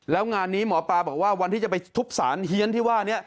แล้วงานนี้หมอปลาบอกว่าวันที่จะไปทุบสารเฮียนที่ว่านี้